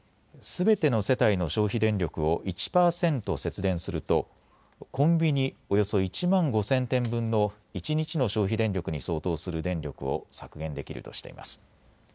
すべての世帯の消費電力を１％節電するとコンビニおよそ１万５０００店分の一日の消費電力に相当する電力を削減できるとしています。